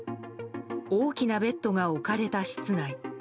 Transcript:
大きなベッドが置かれた室内。